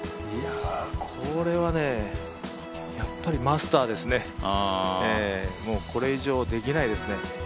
これはやっぱりマスターですね、もうこれ以上できないですね。